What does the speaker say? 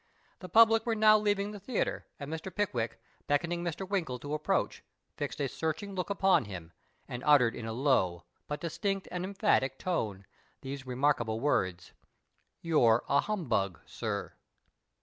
The public were now leaving the theatre, and Mr. Pick wick, beckoning Mr. Winkle to approach, fixed a searching look upon him, and uttered in a low, but distinct and emphatic, tone these remarkable words :—" You're a humbug, sir."